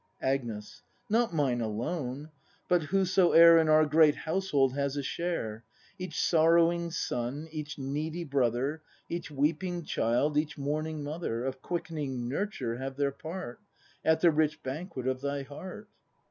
Agnes. Not mine alone: but whosoe'er In our great Household has a share, Each sorrowing son, each needy brother, Each weeping child, each mourning mother, Of quickening nurture have their part. At the rich banquet of thy heart.